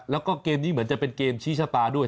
แล้วก็เกมนี้เหมือนจะเป็นเกมชี้ชะตาด้วย